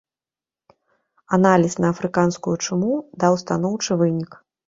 Аналіз на афрыканскую чуму даў станоўчы вынік.